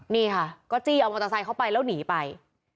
นี่ค่ะก็จี้เอามอเตอร์ไซค์เข้าไปแล้วหนีไป